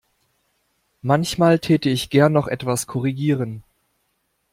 Manchmal täte ich gern noch etwas korrigieren.